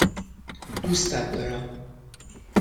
دوستت دارم.